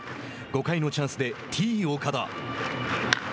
５回のチャンスでＴ−岡田。